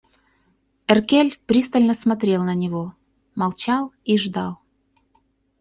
Эркель пристально смотрел на на него, молчал и ждал.